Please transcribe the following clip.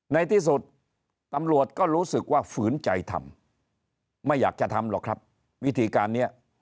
ในที่สุดตำรวจก็รู้สึกว่าฝืนใจทำไม่อยากจะทำหรอกครับวิธีการนี้